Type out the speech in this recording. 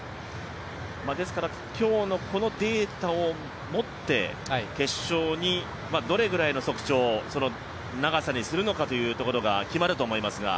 ですから今日のこのデータを持って決勝にどれぐらいの長さにするのかというところが決まると思いますが。